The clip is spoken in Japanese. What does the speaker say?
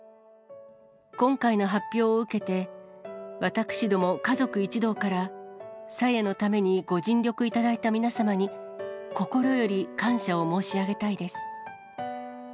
今回の発表を受けて、私ども家族一同から、さやのためにご尽力いただいた皆様に、心より感謝を申し上げたいです。